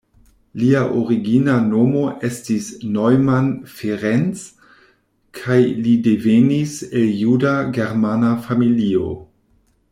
Lia origina nomo estis Neumann Ferenc kaj li devenis el juda-germana familio.